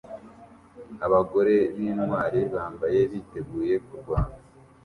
Abagore b'intwali bambaye biteguye kurwana